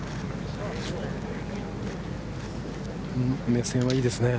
目線はいいですね。